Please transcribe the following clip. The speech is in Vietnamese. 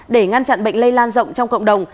để ngăn chặn bệnh lây lan rộng trong cộng đồng